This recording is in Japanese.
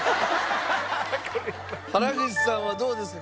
原口さんはどうです？